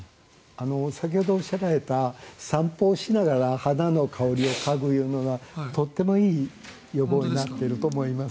先ほどおっしゃられた散歩をしながら花の香りを嗅ぐというのはとてもいい予防になっていると思います。